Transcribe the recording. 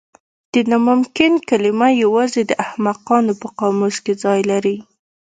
د ناممکن کلمه یوازې د احمقانو په قاموس کې ځای لري.